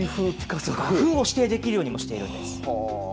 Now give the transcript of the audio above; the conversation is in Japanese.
画風を指定できるようにもしてるんです。